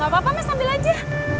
gak apa apa mas sambil aja